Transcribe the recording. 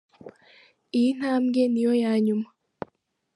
Iyi ntambwe ni yo ya nyuma.